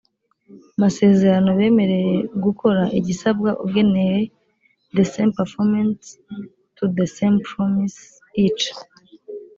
masezerano bemereye gukora igisabwa ugenewe the same performance to the same promisee each